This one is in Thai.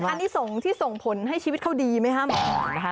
เป็นอันนี้ที่ส่งผลให้ชีวิตเขาดีไหมคะ